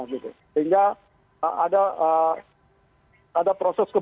sehingga ada proses keberlangsungan pemanfaatan terhadap dunia ekonomi